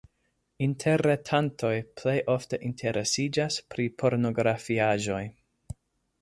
Interretantoj plej ofte interesiĝas pri pornografiaĵoj.